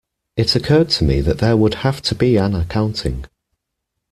It occurred to me that there would have to be an accounting.